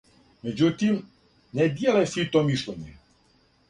Меđутим, не дијеле сви то мишљење.